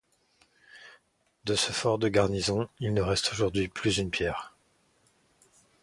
De ce fort de garnison, il ne reste aujourd'hui plus une pierre.